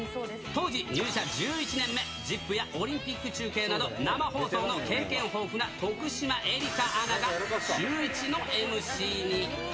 当時、入社１１年目、ＺＩＰ！やオリンピック中継など、生放送の経験豊富な徳島えりかアナがシューイチのＭＣに。